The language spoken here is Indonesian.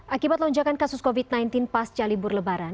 akibat lonjakan kasus covid sembilan belas pasca libur lebaran